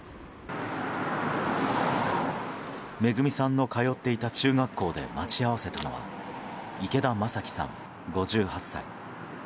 めぐみさんの通っていた中学校で待ち合わせたのは池田正樹さん、５８歳。